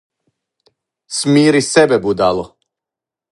смири себе будало!